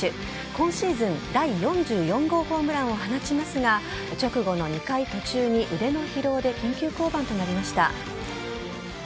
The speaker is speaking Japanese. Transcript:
今シーズン第４４号ホームランを放ちますが直後の２回途中に腕の疲労で緊急降板となりました。